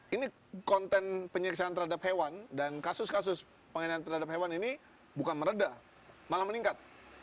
ini konten penyiksaan terhadap hewan dan kasus kasus pengenalan terhadap hewan ini bukan meredah malah meningkat